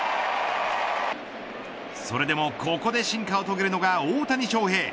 それでもここで進化を遂げるのが大谷翔平。